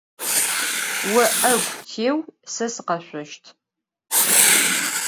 Vo 'egu têu, se sıkheşsoşt.